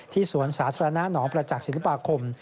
สวนสาธารณะหนองประจักษ์ศิลปาคม